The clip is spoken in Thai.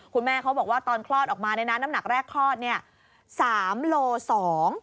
คุณแม่เขาบอกว่าตอนคลอดออกมาในน้ำหนักแรกคลอด๓๒กิโลเมตร